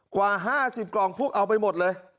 กว่า๕๐กล่องพวกเอาไปหมดเลย